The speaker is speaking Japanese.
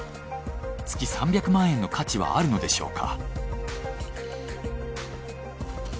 月３００万円の価値はあるのでしょうか？